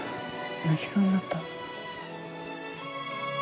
泣きそうになった。